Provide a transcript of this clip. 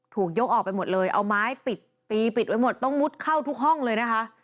ถูกยกออกไปหมดเลยเอาไม้ปิดตีปิดไว้หมดต้องมุดเข้าทุกห้องเลยนะคะ